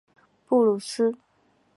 布鲁斯。